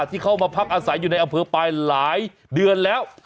ที่เข้ามาพักอาศัยอยู่ในอำเภอปลายหลายเดือนแล้ว